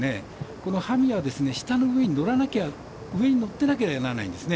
このは実は舌の上にのらなきゃ上にのってなければならないんですね。